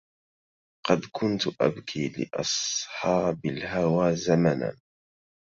قد كنت أبكي لأصحاب الهوى زمنا